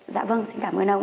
dạ vâng xin cảm ơn ông ạ